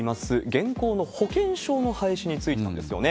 現行の保険証の廃止についてなんですよね。